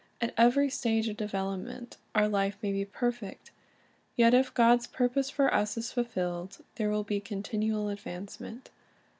At every stage of development our life may be perfect; yet if God's purpose for us is fulfilled, there will be continual advancement.